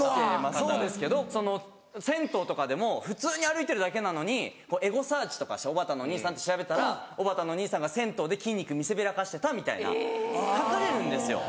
そうですけど銭湯とかでも普通に歩いてるだけなのにエゴサーチとかしておばたのお兄さんって調べたら「おばたのお兄さんが銭湯で筋肉見せびらかしてた」みたいな書かれるんですよ。